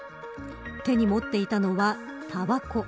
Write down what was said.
手に持っていたのは、たばこ。